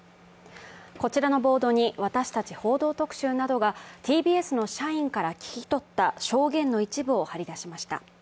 こちらのボードに私たち「報道特集」などがＴＢＳの社員から聞き取った証言の一部を貼り出しました。